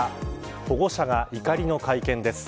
保護者が怒りの会見です。